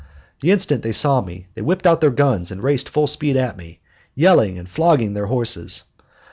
The instant they saw me they whipped out their guns and raced full speed at me, yelling and flogging their horses.